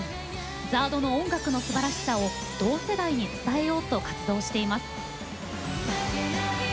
ＺＡＲＤの音楽のすばらしさを同世代に伝えようと活動しています。